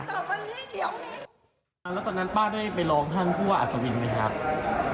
แล้วตอนนั้นป้าได้ไปร้องท่านผู้ว่าอัศวินไหมครับ